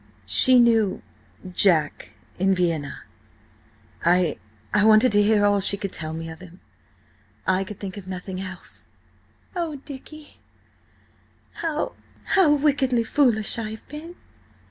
"She knew–Jack–in Vienna— I–I wanted to hear all she could tell me of him–I could think of nothing else." "Oh, Dicky! How–how wickedly foolish I have been!